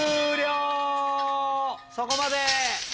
そこまで！